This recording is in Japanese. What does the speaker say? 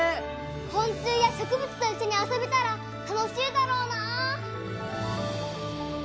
昆虫や植物と一緒に遊べたら楽しいだろうな！